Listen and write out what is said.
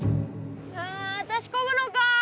はあ私こぐのか！